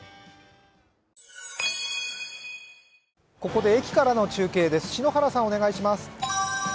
ここで駅からの中継です。